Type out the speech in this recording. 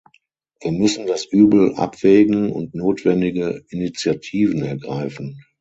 Wir müssen das Übel abwägen und notwendige Initiativen ergreifen.